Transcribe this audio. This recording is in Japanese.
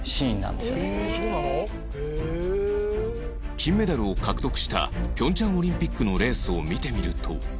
金メダルを獲得した平昌オリンピックのレースを見てみると